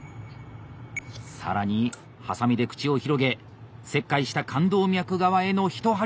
更にハサミで口を広げ切開した冠動脈側への１針目。